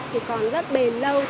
thì còn rất bền lâu